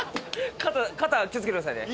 肩気を付けてくださいね。